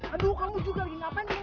aduh kamu juga lagi ngapain nih